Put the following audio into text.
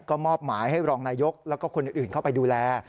ก็มอบหมายให้รองนายกแล้วก็คนอื่นเข้าไปดูแล